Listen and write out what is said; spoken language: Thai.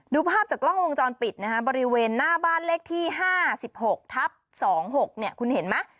ภาพจากกล้องวงจรปิดนะฮะบริเวณหน้าบ้านเลขที่๕๖ทับ๒๖เนี่ยคุณเห็นไหม